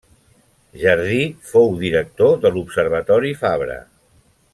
Jardí fou director de l'observatori Fabra.